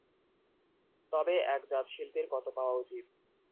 তবে এক জাত শিল্পীর কত পাওয়া উচিত?